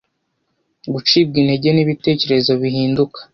Gucibwa intege nibitekerezo bihinduka